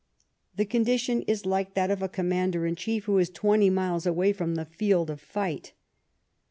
The condition is like that of a commander in chief who is twenty miles away IFtomanoldtngravmg) from the field of fight.